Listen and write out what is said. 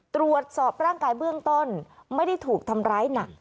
ตรวจสอบร่างกายเบื้องต้นไม่ได้ถูกทำร้ายหนัก